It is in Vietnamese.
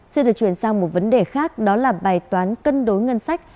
xin được chuyển sang một vấn đề khác đó là bài toán cân đối ngân sách